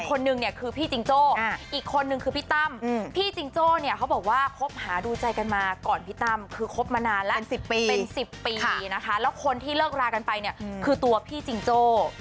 คนนึงเนี่ยคือพี่จิงโจ้อีกคนนึงคือพี่ตั้มพี่จิงโจ้เนี่ยเขาบอกว่าคบหาดูใจกันมาก่อนพี่ตั้มคือคบมานานแล้วเป็น๑๐ปีนะคะแล้วคนที่เลิกรากันไปเนี่ยคือตัวพี่จิงโจ้